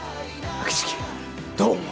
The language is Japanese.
秋月どう思う？